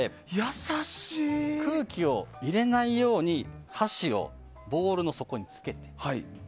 空気を入れないように箸をボウルの底につけて。